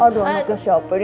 aduh makan siapa nih